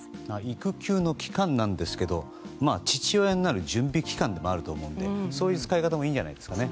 育休の期間ですが父親になる準備期間でもあると思うのでそういう使い方もいいんじゃないですかね。